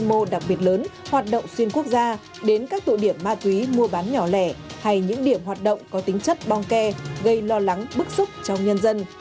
quy mô đặc biệt lớn hoạt động xuyên quốc gia đến các tụ điểm ma túy mua bán nhỏ lẻ hay những điểm hoạt động có tính chất bong ke gây lo lắng bức xúc trong nhân dân